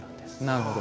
なるほど。